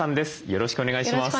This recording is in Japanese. よろしくお願いします。